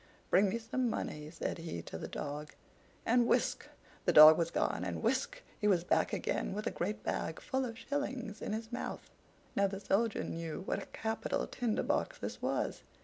Bring me some money," said he to the dog; and whisk! the dog was gone, and whisk! he was back again, with a great bag full of shillings in his mouth. Now the Soldier knew what a capital Tinder box this was.